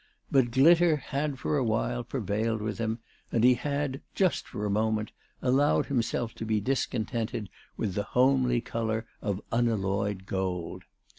But glitter had for awhile prevailed with him, and he had, just for a moment, allowed himself to be discontented with the homely colour of unalloyed gold.